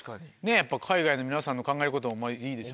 やっぱ海外の皆さんの考えることいいですよね。